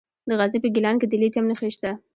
د غزني په ګیلان کې د لیتیم نښې شته.